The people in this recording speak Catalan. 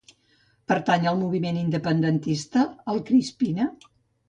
Pertany al moviment independentista el Crispina?